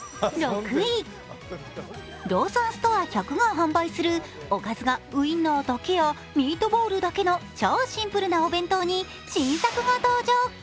ローソンストア１００が販売するおかずがウインナーだけやミートボールだけの超シンプルなお弁当に新作が登場。